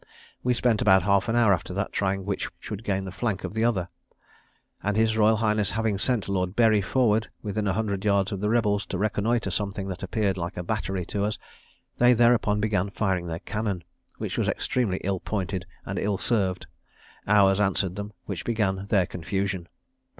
We spent about half an hour after that, trying which should gain the flank of the other; and his Royal Highness having sent Lord Bury forward within a hundred yards of the rebels, to reconnoitre something that appeared like a battery to us, they thereupon began firing their cannon, which was extremely ill pointed and ill served; ours answered them, which began their confusion.